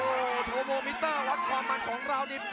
โอ้โหโทโมมิเตอร์วัดความมันของเรานี่